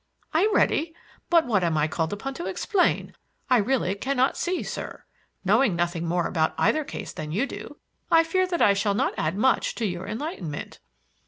"I am ready. But what am I called upon to explain? I really cannot see, sir. Knowing nothing more about either case than you do, I fear that I shall not add much to your enlightenment."